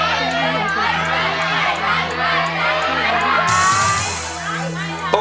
ไม่ใช้